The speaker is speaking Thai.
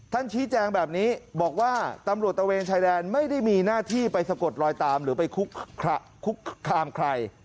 ชี้แจงแบบนี้บอกว่าตำรวจตะเวนชายแดนไม่ได้มีหน้าที่ไปสะกดลอยตามหรือไปคุกคามใคร